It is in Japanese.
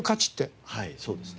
はいそうですね。